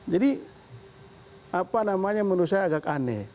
jadi menurut saya agak aneh